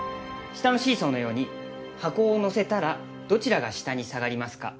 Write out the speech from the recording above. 「下のシーソーのように箱を載せたらどちらが下に下がりますか？」